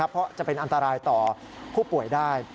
เพราะจะเป็นอันตรายต่อผู้ป่วยได้